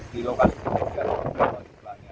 di lokasi ini juga